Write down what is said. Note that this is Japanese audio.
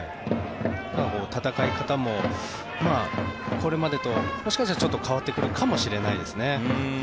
戦い方も、これまでともしかしたら変わってくるかもしれないですね。